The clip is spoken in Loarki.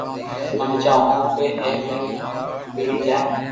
امي چاھو ھون ڪو ائ بي پڻڙي جائي